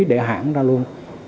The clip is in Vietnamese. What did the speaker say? để hãng ra luôn